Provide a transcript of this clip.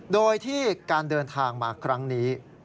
โดยที่การเดินทางมาครั้งนี้